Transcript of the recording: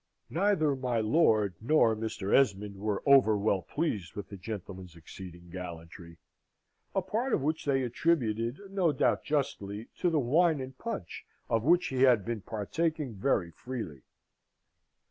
Neither my lord nor Mr. Esmond were over well pleased with the gentleman's exceeding gallantry a part of which they attributed, no doubt justly, to the wine and punch, of which he had been partaking very freely.